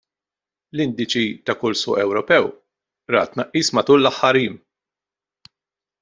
L-indiċi ta' kull suq Ewropew ra tnaqqis matul l-aħħar jiem.